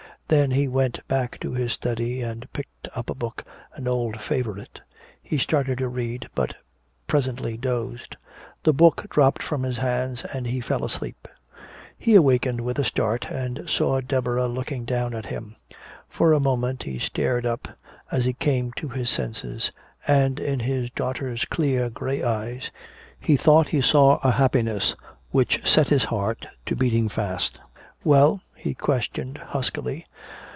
Then he went back to his study and picked up a book, an old favorite. He started to read, but presently dozed. The book dropped from his hands and he fell asleep. He awakened with a start, and saw Deborah looking down at him. For a moment he stared up, as he came to his senses, and in his daughter's clear gray eyes he thought he saw a happiness which set his heart to beating fast. "Well?" he questioned huskily.